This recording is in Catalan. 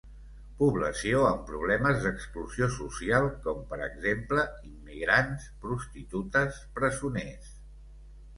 Població amb problemes d'exclusió social com per exemple: immigrants, prostitutes, presoners.